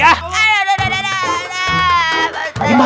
aduh aduh aduh